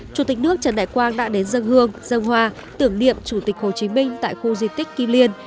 chủ tịch nước trần đại quang đã đến dân hương dân hoa tưởng niệm chủ tịch hồ chí minh tại khu di tích kim liên